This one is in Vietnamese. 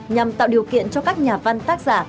nhằm tạo điều kiện cho các nhà văn tác giả